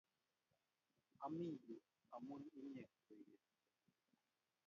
ami yu amun inye koi geny